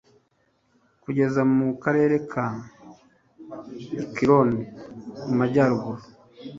kugeza mu karere ka ekironi, mu majyaruguru